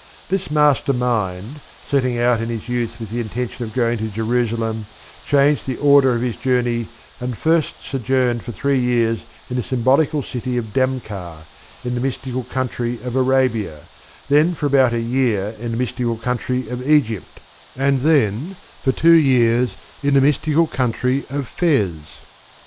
This master mind, setting out in his youth with the intention of going to Jerusalem, changed the order of his journey and first sojourned for three years in the symbolical city of Damcar, in the mystical country of Arabia, then for about a year in the mystical country of Egypt, and then for two years in the mystical country of Fez.